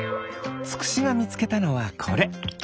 つくしがみつけたのはこれ。